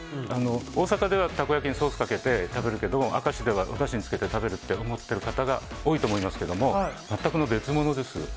大阪ではたこ焼きにソースをかけて食べるけど明石ではおだしにつけて食べるって思ってる方が多いと思うんですが全くの別物です。